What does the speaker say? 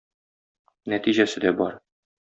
Нәтиҗәсе дә бар.